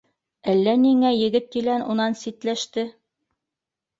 Әллә ниңә егет-елән унан ситләште